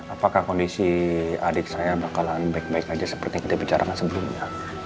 apakah kondisi adik saya bakalan baik baik saja seperti yang kita bicarakan sebelumnya